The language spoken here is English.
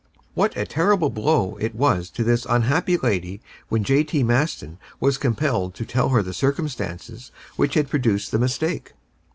What a terrible blow it was to this unhappy lady when J.T. Maston was compelled to tell her the circumstances which had produced the mistake!